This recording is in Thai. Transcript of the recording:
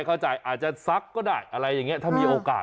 เข้าใจอาจจะซักก็ได้อะไรอย่างนี้ถ้ามีโอกาส